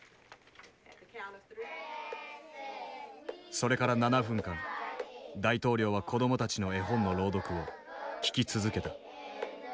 それから７分間大統領は子どもたちの絵本の朗読を聞き続けた。